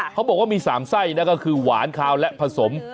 เขาบอกว่ามี๓ไส้นะก็คือหวานคาวและผสม